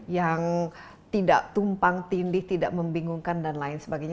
yang tidak tumpang tindih tidak membingungkan dan lain sebagainya